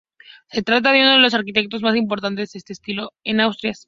Se trata de uno de los arquitectos más importantes de este estilo en Asturias.